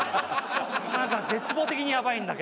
今が絶望的にやばいんだけど。